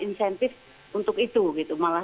insentif untuk itu gitu malah